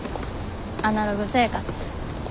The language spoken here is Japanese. アナログ生活。